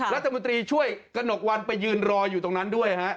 รัฐมนตรีช่วยกระหนกวันไปยืนรออยู่ตรงนั้นด้วยฮะ